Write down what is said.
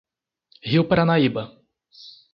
Rio Paranaíba